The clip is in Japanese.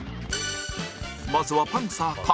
まずはパンサー菅